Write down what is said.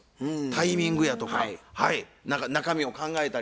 タイミングやとか何か中身を考えたりとか。